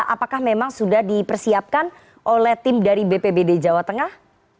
apakah memang sudah dipersiapkan oleh tim dari bpbd jawa tengah